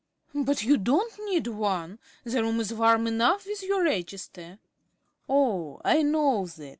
"But you don't need one. The room is warm enough, with your register." "Oh, I know that.